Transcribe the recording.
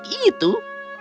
semua berkat meredith